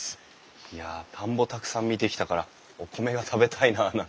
いや田んぼたくさん見てきたからお米が食べたいななんて。